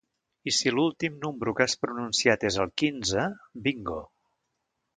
I si l'últim número que has pronunciat és el quinze, bingo.